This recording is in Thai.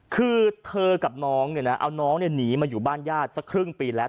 คือเธอกับน้องเนี่ยนะเอาน้องหนีมาอยู่บ้านญาติสักครึ่งปีแล้ว